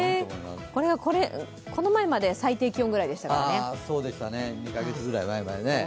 この前まで最低気温ぐらいでしたからね。